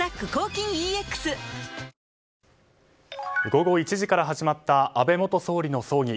午後１時から始まった安倍元総理の葬儀。